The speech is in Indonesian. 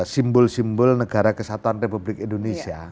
simbol simbol negara kesatuan republik indonesia